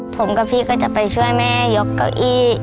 ผมกับพี่ก็จะไปช่วยแม่ยกเก้าอี้